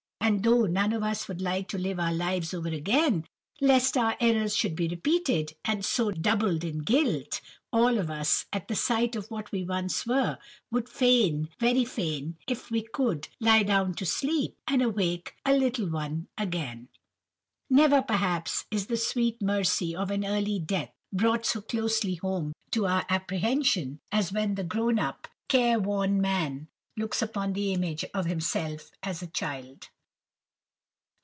And though none of us would like to live our lives over again, lest our errors should be repeated, and so doubled in guilt, all of us, at the sight of what we once were, would fain, very fain, if we could, lie down to sleep, and awake a "little one" again. Never, perhaps, is the sweet mercy of an early death brought so closely home to our apprehension, as when the grown up, care worn man looks upon the image of himself as a child.